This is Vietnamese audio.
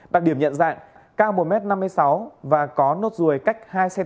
đặc điểm nhận dạng cao một m năm mươi sáu và có nốt ruồi cách hai cm